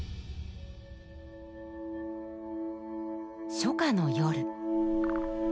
初夏の夜。